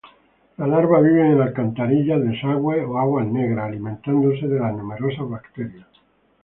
La larva vive en alcantarillas, desagües o aguas negras, alimentándose de las numerosas bacterias.